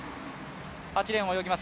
８レーンを泳ぎます